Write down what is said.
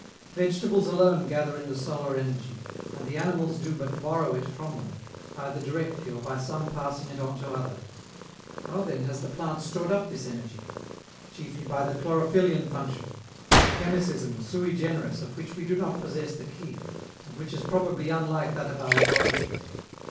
Vegetables alone gather in the solar energy, and the animals do but borrow it from them, either directly or by some passing it on to others. How then has the plant stored up this energy? Chiefly by the chlorophyllian function, a chemicism sui generis of which we do not possess the key, and which is probably unlike that of our laboratories.